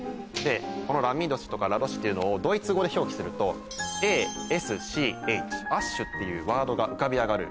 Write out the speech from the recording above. このラミドシとかラドシっていうのをドイツ語で表記するとＡＳＣＨ「ＡＳＣＨ」っていうワードが浮かび上がる。